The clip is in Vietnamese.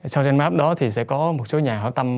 southern map đó thì sẽ có một số nhà hỏi tâm